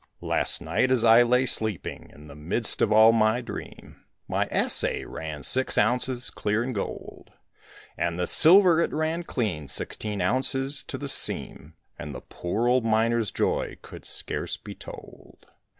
"Last night as I lay sleeping in the midst of all my dream My assay ran six ounces clear in gold, And the silver it ran clean sixteen ounces to the seam, And the poor old miner's joy could scarce be told.